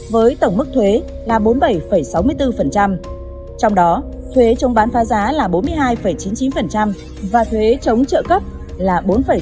với tổng mức thuế là bốn mươi bảy sáu mươi bốn trong đó thuế chống bán phá giá là bốn mươi hai chín mươi chín và thuế chống trợ cấp là bốn sáu